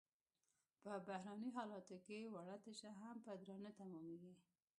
په بحراني حالاتو کې وړه تشه هم په درانه تمامېږي.